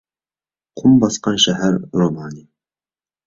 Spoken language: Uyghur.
«قۇم باسقان شەھەر» رومانى